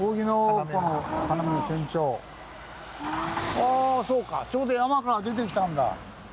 あぁそうかちょうど山から出てきたんだ。